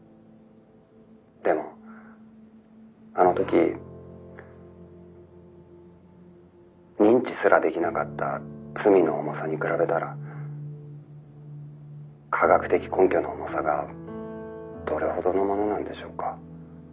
でもあの時認知すらできなかった罪の重さに比べたら科学的根拠の重さがどれほどのものなんでしょうか」。